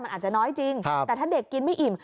มันอาจจะน้อยจริงแต่ถ้าเด็กกินไม่อิ่ม